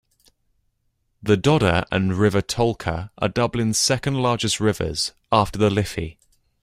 The Dodder and the River Tolka are Dublin's second largest rivers, after the Liffey.